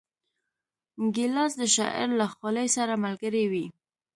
ګیلاس د شاعر له خولې سره ملګری وي.